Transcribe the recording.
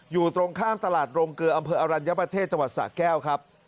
อยู่ตรงข้ามตลาดโรงเกลืออำเภออรัญญประเทศจังหวัดสะแก้วครับ